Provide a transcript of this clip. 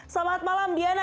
selamat malam diana